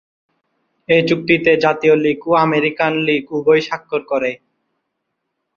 এই চুক্তিতে জাতীয় লিগ ও আমেরিকান লিগ উভয়ই স্বাক্ষর করে।